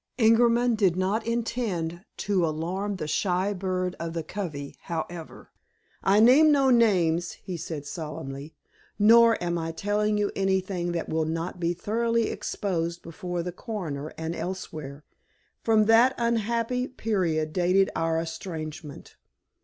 Ingerman did not intend to alarm the shy bird of the covey, however. "I name no names," he said solemnly. "Nor am I telling you anything that will not be thoroughly exposed before the coroner and elsewhere. From that unhappy period dated our estrangement.